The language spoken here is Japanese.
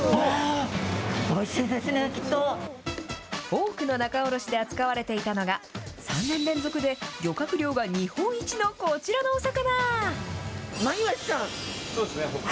多くの仲卸で扱われていたのが、３年連続で漁獲量が日本一のこちらのお魚。